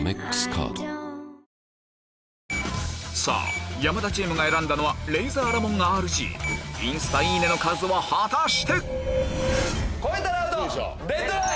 さぁ山田チームが選んだのはレイザーラモンＲＧインスタいいねの数は果たして？